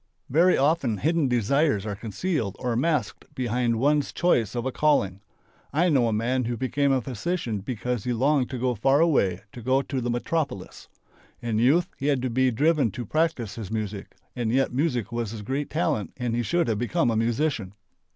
Very often hidden desires are concealed or masked behind one's choice of a calling. I know a man who became a physician because he longed to go far away, to go to the metropolis. In youth he had to be driven to practice his music and yet music was his great talent and he should have become a musician.